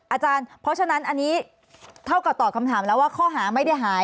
อาจารย์เพราะฉะนั้นอันนี้เท่ากับตอบคำถามแล้วว่าข้อหาไม่ได้หาย